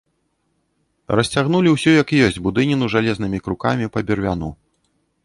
Расцягнулі ўсю як ёсць будыніну жалезнымі крукамі па бервяну.